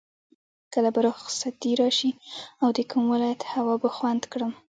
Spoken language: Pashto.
کله به رخصتي راشي او د کوم ولایت هوا به خوند کړم.